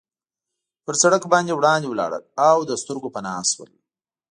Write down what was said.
پر سړک باندې وړاندې ولاړل او له سترګو پناه شول.